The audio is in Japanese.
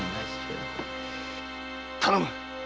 頼む！